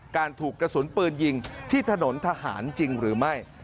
ถูกกระสุนปืนยิงที่ถนนทหารจริงหรือไม่